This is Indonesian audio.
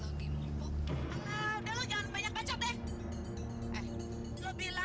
eh musuh bukan kagetau diri lu